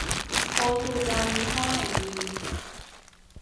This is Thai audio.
โคชูจัง ยี่ห้อไหนดี